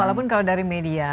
walaupun kalau dari media